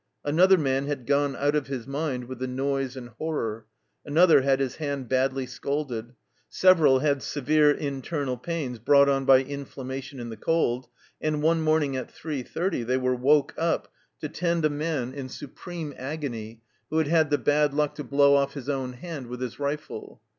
An other man had gone out of his mind with the noise and horror ; another had his hand badly scalded ; several had severe internal pains brought on by inflammation in the cold, and one morning at 3.30 they were woke up to tend a man in 25 194 THE CELLAR HOUSE OF PERVYSE supreme agony who had had the bad luck to blow off his own hand with his rifle.